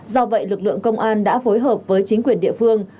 do vậy lực lượng công an đã phối hợp với chính quyền địa phương